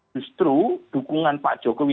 justru dukungan pak jokowi